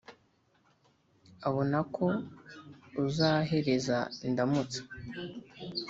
Abona ko uzahereza Indamutsa